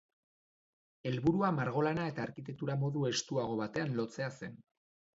Helburua margolana eta arkitektura modu estuago baten lotzea zen.